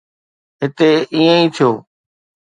هتي ائين ئي ٿيو.